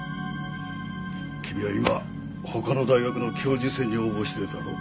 君は今他の大学の教授選に応募してるだろ？